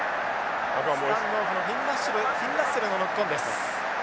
スタンドオフのフィンラッセルのノックオンです。